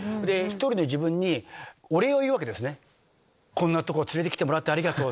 こんなとこ連れてきてもらってありがとう！